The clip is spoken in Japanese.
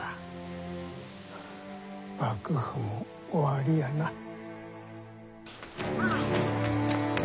幕府も終わりやな。